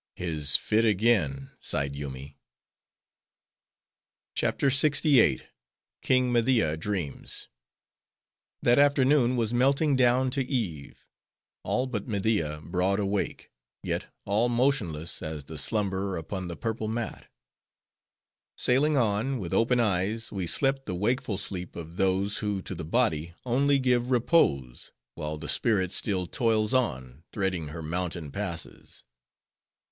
"His fit again," sighed Yoomy. CHAPTER LXVIII. King Media Dreams That afternoon was melting down to eve; all but Media broad awake; yet all motionless, as the slumberer upon the purple mat. Sailing on, with open eyes, we slept the wakeful sleep of those, who to the body only give repose, while the spirit still toils on, threading her mountain passes.